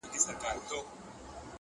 لکه چي مخکي وې هغسي خو جانانه نه يې;